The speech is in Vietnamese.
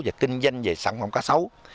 và kinh doanh về sản phẩm cá sấu